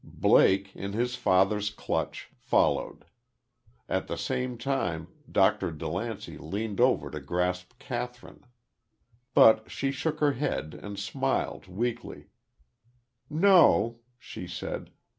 Blake, in his father's clutch, followed. At the same time, Dr. DeLancey leaned over to grasp Kathryn. But she shook her head, and smiled, weakly: "No," she said.